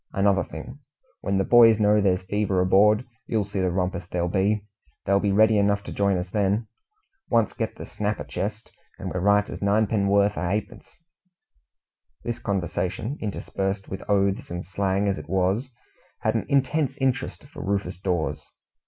Another thing, when the boys know there's fever aboard, you'll see the rumpus there'll be. They'll be ready enough to join us then. Once get the snapper chest, and we're right as ninepenn'orth o' hapence." This conversation, interspersed with oaths and slang as it was, had an intense interest for Rufus Dawes.